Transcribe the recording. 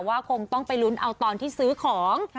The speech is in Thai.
คงต้องไปลุ้นเอาตอนที่ซื้อของ